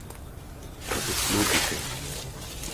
Das ist logischer.